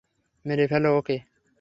মেরে ফেল ওকে।